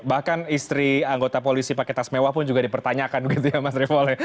bahkan istri anggota polisi pakai tas mewah pun juga dipertanyakan begitu ya mas rivole